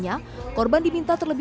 di apa itu gitu nek